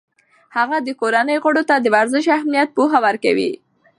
هغه د کورنۍ غړو ته د ورزش اهمیت پوهه ورکوي.